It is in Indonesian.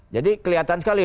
jadi kelihatan sekali